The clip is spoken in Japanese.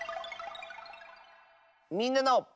「みんなの」。